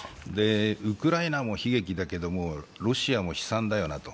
ウクライナも悲劇だけど、ロシアも悲惨だよなと。